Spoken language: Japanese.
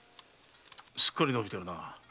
すっかりのびてるな。